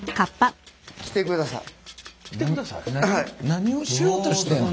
何をしようとしてんの？